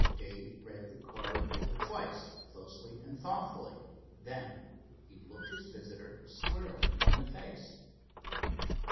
Dave read the card over twice, closely and thoughtfully, then he looked his visitor squarely in the face.